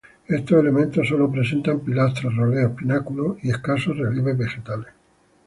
Estos elementos solo presentan pilastras, roleos, pináculos y escasos relieves vegetales.